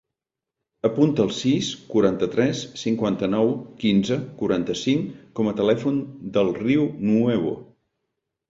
Apunta el sis, quaranta-tres, cinquanta-nou, quinze, quaranta-cinc com a telèfon del Riu Nuevo.